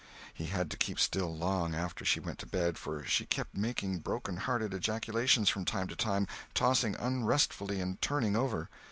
He had to keep still long after she went to bed, for she kept making broken hearted ejaculations from time to time, tossing unrestfully, and turning over.